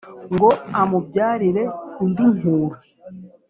Ngo amubyarire indi Nkura,